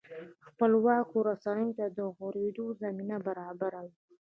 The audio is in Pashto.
خپلواکو رسنیو ته د غوړېدو زمینه برابروي.